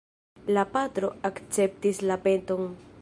La patro akceptis la peton.